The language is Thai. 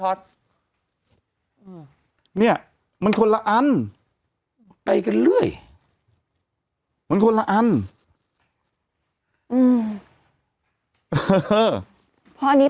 พอร์ตเนี้ยมันคนละอันไกลกันเรื่อยมันคนละอันอืมเออเพราะอันนี้